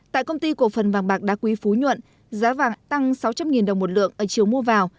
tại công ty cổ phần vàng bạc đá quý phú nhuận giá vàng tăng sáu trăm linh đồng một lượng ở chiều mua vào